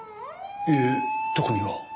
いえ特には。